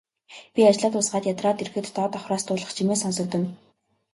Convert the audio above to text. Би ажлаа дуусгаад ядраад ирэхэд доод давхраас дуулах чимээ сонсогдоно.